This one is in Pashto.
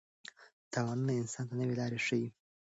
تاوانونه انسان ته نوې لارې ښيي.